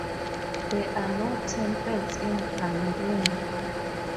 There are no temples in Cameroon.